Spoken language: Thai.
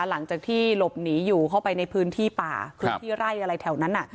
หลังจากที่หลบหนีอยู่เข้าไปในพื้นที่ป่าพื้นที่ไร่อะไรแถวนั้น